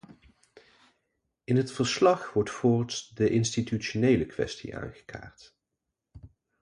In het verslag wordt voorts de institutionele kwestie aangekaart.